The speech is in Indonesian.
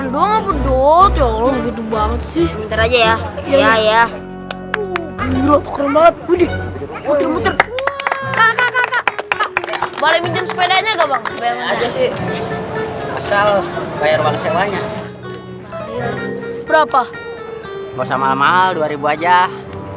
dari lima juga boleh